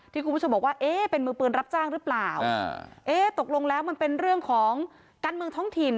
คุณผู้ชมบอกว่าเอ๊ะเป็นมือปืนรับจ้างหรือเปล่าเอ๊ะตกลงแล้วมันเป็นเรื่องของการเมืองท้องถิ่น